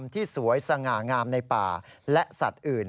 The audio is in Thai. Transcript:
ที่สวยสง่างามในป่าและสัตว์อื่น